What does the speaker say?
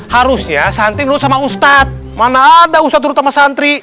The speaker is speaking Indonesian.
harusnya santri menurut sama ustadz mana ada ustadz menurut sama santri